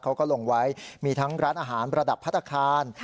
เขาก็ลงไว้มีทั้งร้านอาหารระดับพัฒนาคาร